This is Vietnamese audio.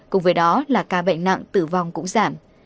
cùng với đó là ca bệnh nặng tử vong cũng giảm